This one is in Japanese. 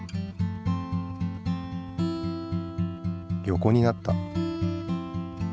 横になった。